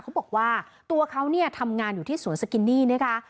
เขาบอกว่าตัวเขาเนี่ยทำงานอยู่ที่สวนสกินนี่นะคะ